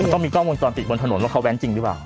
ต้องมีกล้องวงจรปิดบนถนนว่าเขาแว้นจริงหรือเปล่า